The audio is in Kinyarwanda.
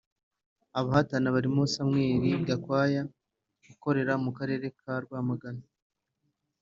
Abahatana barimo Samuel Gakwaya ukorera mu Karere ka Rwamagana